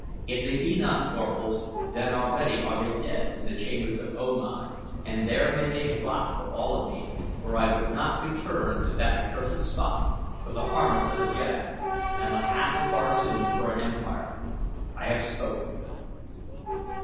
If they be not Corphals, then already are they dead in the chambers of O Mai, and there may they rot for all of me, for I would not return to that accursed spot for the harness of a jeddak and the half of Barsoom for an empire. I have spoken."